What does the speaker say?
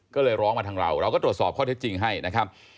ก็เลยร้องมาทางเราเราก็ตรวจสอบข้อเท็จจริงให้นะครับ